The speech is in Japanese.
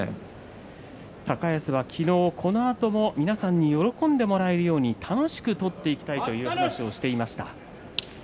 高安は昨日このあとも皆さんに喜んでもらえるように楽しく取っていきたいという話をしていました。